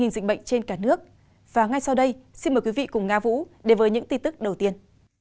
xin mời quý vị cùng nga vũ đề vời những tin tức đầu tiên